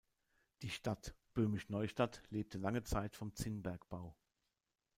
Die Stadt „Böhmisch Neustadt“ lebte lange Zeit vom Zinnbergbau.